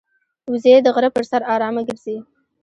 وزې د غره پر سر آرامه ګرځي